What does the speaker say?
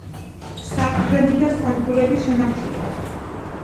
საყრდენი და სადგურები შენარჩუნდა.